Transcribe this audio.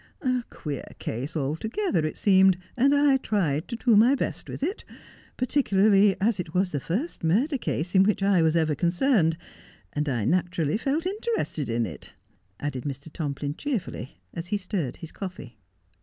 A queer case altogether it seemed, and I tried to do my best with it ; particularly as it was the first murder case in which I was ever concerned, and I naturally felt interested in it,' added Mr. Tomplin cheerfully, as he stirred his coffee.